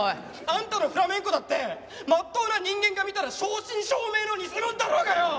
あんたのフラメンコだってまっとうな人間が見たら正真正銘の偽物だろうがよ！